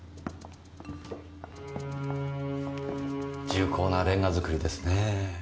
重厚なレンガ造りですねぇ。